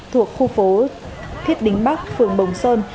thuộc khu phố thiết đính bắc phường bồng sơn